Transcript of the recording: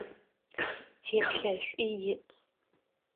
Теплъэшӏу иӏ.